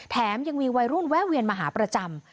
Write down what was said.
แถมยังมีวัยรุ่นแวะเวียนมาหาประจำ